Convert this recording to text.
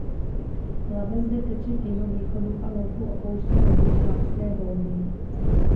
Labe zde teče k jihovýchodu a louku opouští poblíž Labské boudy.